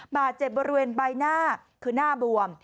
บาดเจ็บบริเวณใบหน้าคือหน้าบวม